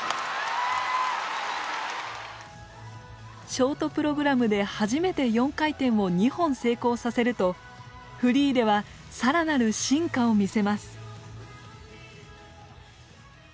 ショートプログラムで初めて４回転を２本成功させるとフリーでは更なる進化を見せます。